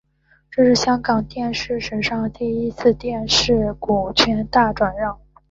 这是香港电视史上第一次电视股权大转让。